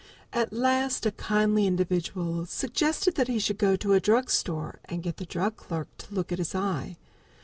At last a kindly individual suggested that he should go to a drug store and get the drug clerk to look at his eye.